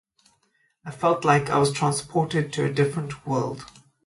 I felt like I was transported to a different world.